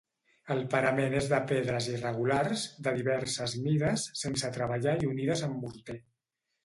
El parament és de pedres irregulars, de diverses mides, sense treballar i unides amb morter.